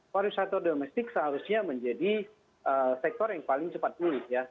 pariwisata domestik seharusnya menjadi sektor yang paling cepat pulih ya